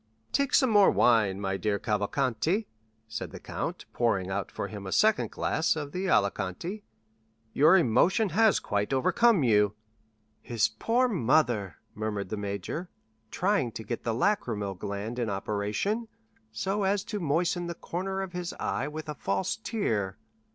"Take some more wine, my dear Cavalcanti," said the count, pouring out for him a second glass of Alicante; "your emotion has quite overcome you." "His poor mother," murmured the major, trying to get the lachrymal gland in operation, so as to moisten the corner of his eye with a false tear.